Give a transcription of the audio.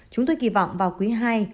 chúng tôi kỳ vọng vào quý ii